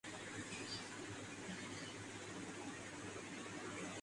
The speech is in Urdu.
جس دوست کا گھر ہےوہ بھی ساتھ تھا ۔